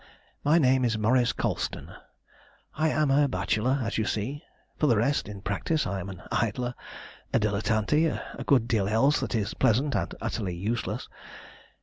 "My name is Maurice Colston; I am a bachelor, as you see. For the rest, in practice I am an idler, a dilettante, and a good deal else that is pleasant and utterly useless.